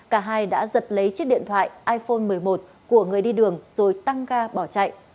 cả hai đã giật lấy chiếc điện thoại iphone một mươi một của người đi đường rồi tăng ga bỏ chạy